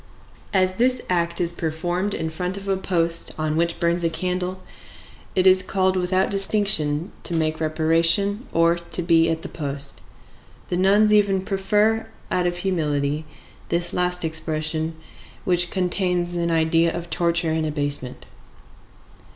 As this act is performed in front of a post on which burns a candle, it is called without distinction, to make reparation or to be at the post. The nuns even prefer, out of humility, this last expression, which contains an idea of torture and abasement.